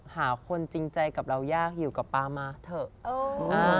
หาคนจริงใจกับเรายากอยู่กับป๊ามาเถอะ